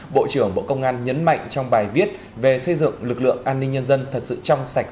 bộ trưởng bộ công an nhấn mạnh trong bài viết về xây dựng lực lượng an ninh nhân dân thật sự trong sạch